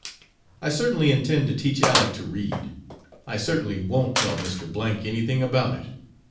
I certainly intend to teach Aleck to read. I certainly won't tell Mr. anything about it.